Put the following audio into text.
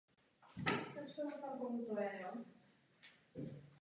Proti romské komunitě je v Evropě vedena skutečná kriminalizační kampaň.